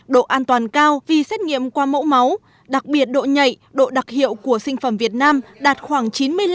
độ an toàn cao vì xét nghiệm qua mẫu máu đặc biệt độ nhạy độ đặc hiệu của sinh phẩm việt nam đạt khoảng chín mươi năm